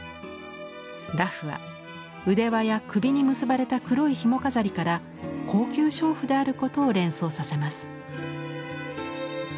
裸婦は腕輪や首に結ばれた黒いひも飾りから高級娼婦であることを連想させます。